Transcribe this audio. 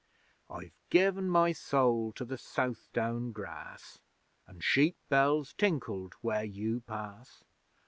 I've given my soul to the Southdown grass, An' sheep bells tinkled where you pass.